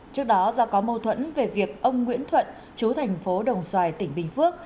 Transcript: trước đó do có mâu thuẫn về việc ông nguyễn thuận chú thành phố đồng xoài tỉnh bình phước